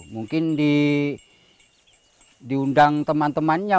mungkin diundang teman temannya